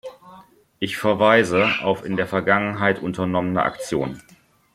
Ich verweise auf in der Vergangenheit unternommene Aktionen.